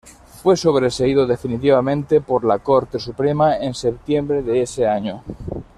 Fue sobreseído definitivamente por la Corte Suprema en septiembre de ese año.